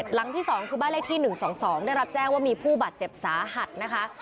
หลังที่๒คือบ้านเลขที่๑๒๒ได้รับแจ้งว่ามีผู้บาดเจ็บสาหัสนะคะ